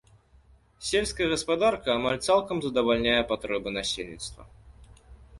Сельская гаспадарка амаль цалкам задавальняе патрэбы насельніцтва.